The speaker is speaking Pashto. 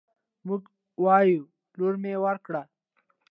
موږ وايو: لور مې ورکړ